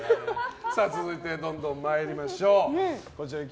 続いて、どんどん参りましょう。